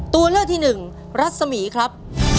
ตัวเลือกที่หนึ่งรัศมีครับ